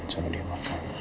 saya mau dia makan